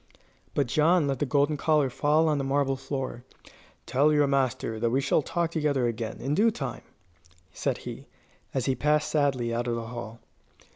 But John let the golden collar fall on the marble floor. "Tell your master that we shall talk together again, in due time," said he, as he passed sadly out of the hall.